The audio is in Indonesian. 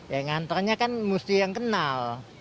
yang ngantornya kan mesti yang kenal